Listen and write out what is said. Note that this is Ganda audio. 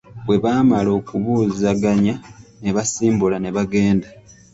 Bwe baamala okubuuzaganya, ne basimbula ne bagenda.